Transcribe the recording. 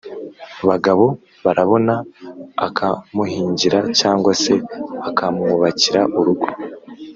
, Bagabobarabona akamuhingira cyangwa se akamwubakira urugo.